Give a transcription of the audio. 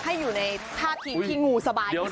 ให้อยู่ในภาพที่หงูสบายกว่าที่สุด